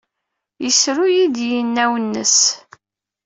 Yessru-iyi-d yinaw-nnes.